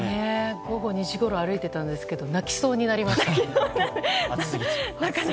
午後２時ごろ歩いてたんですけど泣きそうになりました。